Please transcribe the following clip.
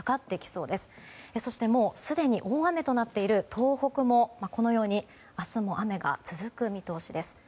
そして、もうすでに大雨となっている東北も明日も雨が続く見通しです。